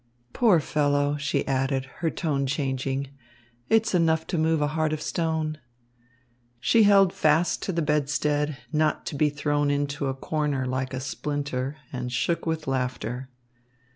Poor fellow!" she added, her tone changing. "It's enough to move a heart of stone." She held fast to the bedstead, not to be thrown into a corner like a splinter, and shook with laughter.